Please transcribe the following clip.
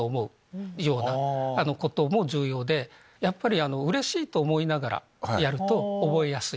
やっぱりうれしいと思いながらやると覚えやすい。